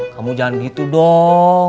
kamu jangan gitu dong